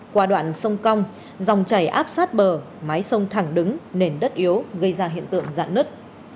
qua đoạn sông cong dòng chảy áp sát bờ mái sông thẳng đứng nền đất yếu gây ra hiện tượng giạn nứt